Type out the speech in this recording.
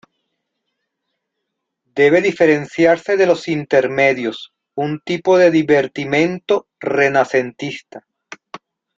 Debe diferenciarse de los intermedios, un tipo de divertimento renacentista.